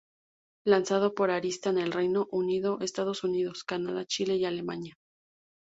Lanzado por Arista en Reino Unido, Estados Unidos, Canadá, Chile y Alemania.